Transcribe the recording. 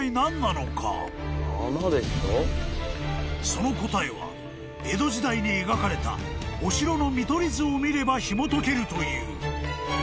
［その答えは江戸時代に描かれたお城の見取り図を見ればひもとけるという］